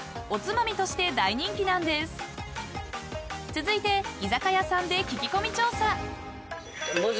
［続いて居酒屋さんで聞き込み調査］